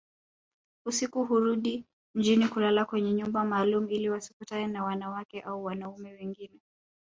Usiku hurudi mjini kulala kwenye nyumba maalumu ili wasikutane na wanawake au wanaume wengine